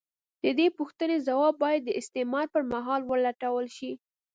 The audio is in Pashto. د دې پوښتنې ځواب باید د استعمار پر مهال ولټول شي.